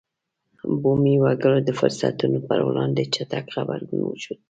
بومي وګړو د فرصتونو پر وړاندې چټک غبرګون وښود.